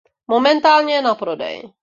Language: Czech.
Momentálně je na prodej.